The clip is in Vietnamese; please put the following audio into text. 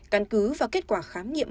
căn cứ và kết quả khám nghiệm